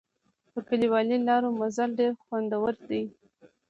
په کلیوالي لارو مزل ډېر خوندور دی.